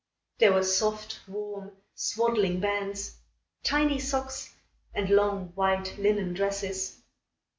There were soft, warm, swaddling bands, tiny socks, and long white linen dresses.